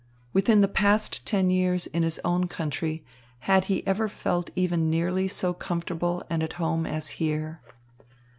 Within the past ten years in his own country had he ever felt even nearly so comfortable and at home as here?